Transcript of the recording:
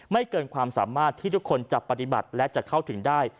เกินความสามารถที่ทุกคนจะปฏิบัติและจะเข้าถึงได้